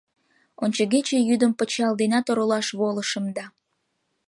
Ончыгече йӱдым пычал денат оролаш волышым да...